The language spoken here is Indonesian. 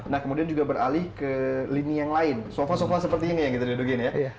nah kemudian juga beralih ke lini yang lain sofa sofa seperti ini yang kita dudukin ya